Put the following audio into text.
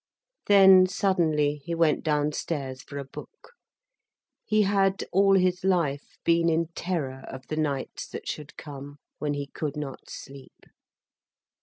Then suddenly he went downstairs for a book. He had all his life been in terror of the nights that should come, when he could not sleep.